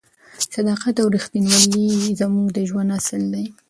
صداقت او رښتینولي زموږ د ژوند اصل دی.